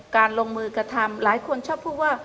การลงมือกระทำหลายคนชอบพูดว่า